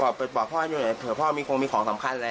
ออกไปบอกพ่อดูเผื่อพ่อมีของสำคัญอะไร